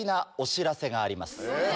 え？